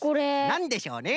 なんでしょうね？